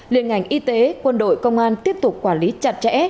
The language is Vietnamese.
liên ngành y tế quân đội công an tiếp tục quản lý chặt chẽ